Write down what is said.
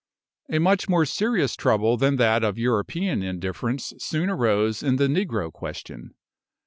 A much more serious trouble than that of European indifference soon arose in the negro question.